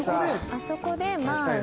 あそこでまあ。